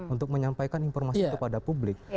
untuk menyampaikan informasi itu kepada publik